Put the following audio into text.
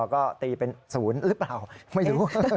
ก็ตีเป็น๐หรือเปล่าไม่รู้